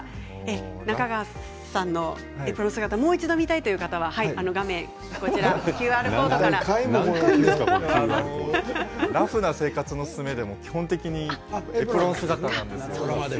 中川さんのエプロン姿もう一度見たいという方は「ラフな生活のススメ」でも基本的にエプロン姿なんです。